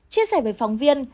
chia sẻ với phóng viên